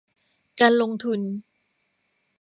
การลงทุน